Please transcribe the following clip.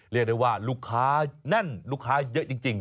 เรียกได้ว่าลูกค้าแน่นลูกค้าเยอะจริง